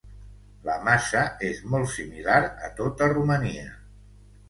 La massa és molt similar a tota Romania.